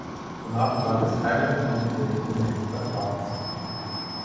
Danach gab es keine öffentlichen Berichte mehr über Starts.